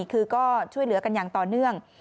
คือก็ช่วยเหลือกันอย่างต่อเนื่อง